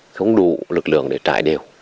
không đủ lực lượng để trải đều